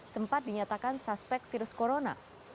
sempat dinyatakan suspek virus corona